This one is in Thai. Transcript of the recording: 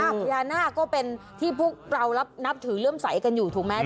พญานาคก็เป็นที่พวกเรานับถือเลื่อมใสกันอยู่ถูกไหม